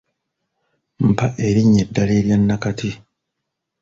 Mpa erinnya eddala erya nakati.